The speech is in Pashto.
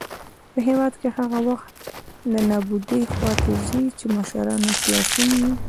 يـو هـېواد هـغه وخـت د نـابـودۍ خـواتـه ځـي ،چـې مـشران او سـياسيون يـې